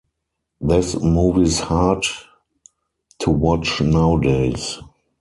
This movie's hard to watch nowadays.